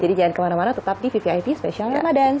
jadi jangan kemana mana tetap di vivi ip special ramadan